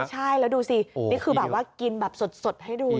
ใช่แล้วดูสินี่คือแบบว่ากินแบบสดให้ดูนะ